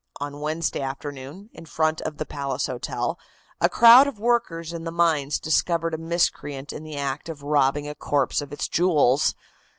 On Wednesday afternoon, in front of the Palace Hotel, a crowd of workers in the mines discovered a miscreant in the act of robbing a corpse of its jewels.